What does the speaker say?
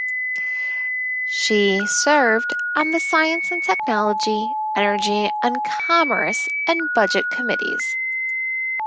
She served on the Science and Technology, Energy and Commerce, and Budget committees.